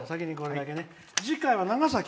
次回は長崎。